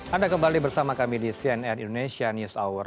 anda kembali bersama kami di cnn indonesia news hour